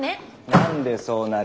何でそうなる。